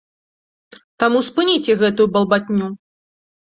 Таму спыніце гэтую балбатню!